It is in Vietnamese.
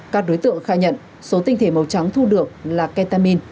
các đối tượng khai nhận số tinh thể màu trắng thu được là ketamin